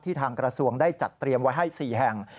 ทางกระทรวงได้จัดเตรียมไว้ให้๔แห่ง